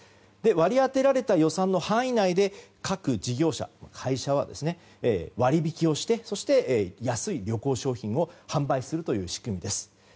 割り当てられた予算の範囲内で各事業者、会社は割引をしてそして、安い旅行商品を販売するという仕組みです。